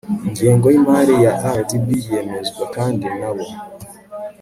ingengo y imari ya rdb yemezwa kandi nabo